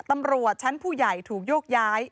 ตำรวจชั้นผู้ใหญ่ถูกโยกย้าย